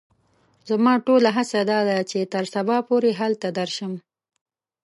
زما ټوله هڅه دا ده چې تر سبا پوري هلته درشم.